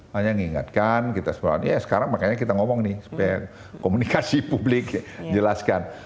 hanya mengingatkan kita sempat ya sekarang makanya kita ngomong nih supaya komunikasi publik jelaskan